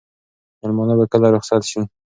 مېلمانه به کله رخصت شي؟